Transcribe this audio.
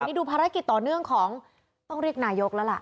นี่ดูภารกิจต่อเนื่องของต้องเรียกนายกแล้วล่ะ